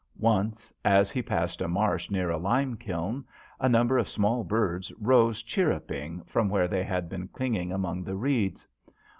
Once, as he passed a marsh near a lime kiln, a number of small birds rose chirruping from where they had been cling ing among the reeds.